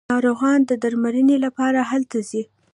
ناروغان د درملنې لپاره هلته ځي.